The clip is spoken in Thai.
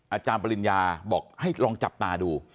อาจารย์ปริญญาบอกให้ลองจับตาดู